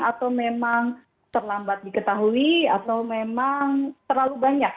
atau memang terlambat diketahui atau memang terlalu banyak